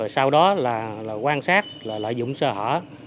sau đó là quan sát lợi dụng sơ hở